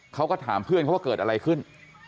เขาก็ถามเพื่อนเขาว่าเกิดอะไรขึ้น